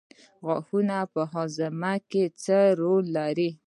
غاښونه په هاضمه کې څه رول لري